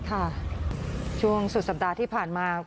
ช่วงสุดสัปดาห์ที่ผ่านมา